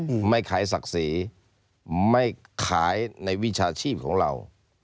อืมไม่ขายศักดิ์ศรีไม่ขายในวิชาชีพของเรา